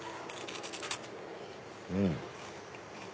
うん。